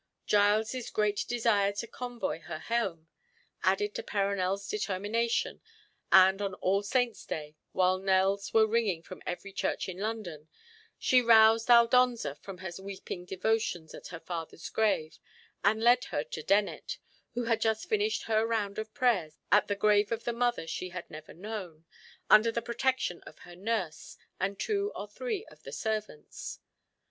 Giles's great desire to convoy her home, added to Perronel's determination, and on All Souls' Day, while knells were ringing from every church in London, she roused Aldonza from her weeping devotions at her father's grave, and led her to Dennet, who had just finished her round of prayers at the grave of the mother she had never known, under the protection of her nurse, and two or three of the servants.